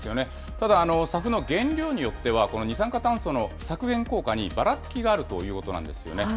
ただ、ＳＡＦの原料によっては、この二酸化炭素の削減効果にばらつきがあるということなんですよね。